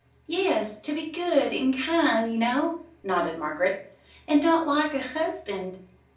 "Yes; to be good and kind, you know," nodded Margaret, "and not like a husband."